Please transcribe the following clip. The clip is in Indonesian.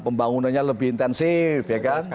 pembangunannya lebih intensif